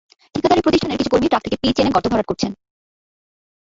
ঠিকাদারি প্রতিষ্ঠানের কিছু কর্মী ট্রাক থেকে পিচ এনে গর্ত ভরাট করছেন।